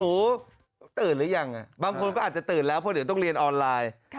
ตื่นหรือยังบางคนก็อาจจะตื่นแล้วเพราะเดี๋ยวต้องเรียนออนไลน์